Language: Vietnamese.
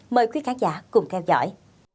mời quý khán giả cùng theo dõi